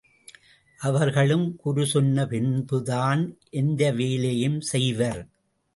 அவர்களும் குரு சொன்ன பின்புதான் எந்தவேலையையும் செய்வர்.